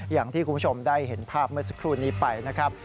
อย่างที่คุณผู้ชมได้เห็นภาพเมื่อสักครู่นี้ไปนะครับ